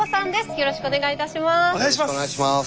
よろしくお願いします。